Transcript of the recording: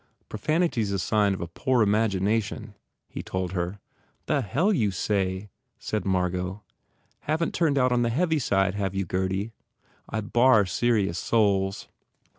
"Profanity s a sign of poor imagination," he told her. "The hell you say," said Margot. "Haven t turned out on the heavy side, have you, Gurdy? I bar serious souls.